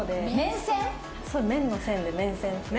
麺の線で麺線。